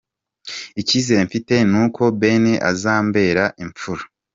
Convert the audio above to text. Icyizere mfite ni uko Ben azambera imfura.